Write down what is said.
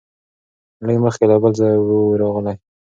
چي لږ مخکي له بل ځایه وو راغلی